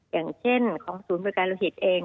อย่างเช่นของศูนย์บริการโลหิตเอง